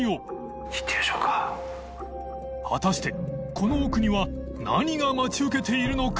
この奥には何が待ち受けているのか？